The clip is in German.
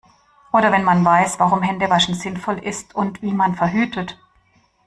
Oder wenn man weiß, warum Hände waschen sinnvoll ist und wie man verhütet.